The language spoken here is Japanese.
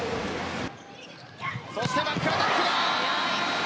そしてバックアタックだ！